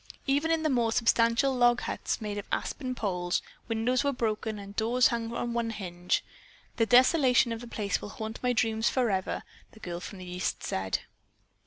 Even in the more substantial log huts, made of aspen poles, windows were broken and doors hung on one hinge. "The desolation of the place will haunt my dreams forever," the girl from the East said.